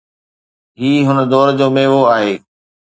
هي هن دور جو ميوو آهي.